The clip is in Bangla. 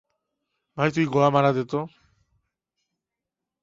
এই জুতোগুলোর জন্য নতুন সুকতলা চাই।